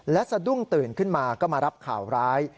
และสะดุ้งตื่นขึ้นมาก็มารับข่าวร้าย